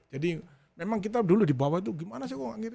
jadi memang kita dulu di bawah itu gimana sih